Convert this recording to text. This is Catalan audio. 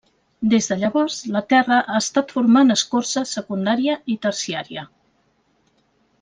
Des de llavors, la Terra ha estat formant escorça secundària i terciària.